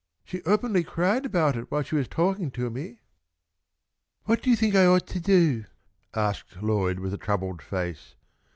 She openly cried about it while she was talking to me." "What do you think I ought to do?" asked Lloyd, with a troubled face.